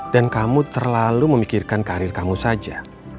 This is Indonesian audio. dan kamu terlalu memikirkan karir kamu saja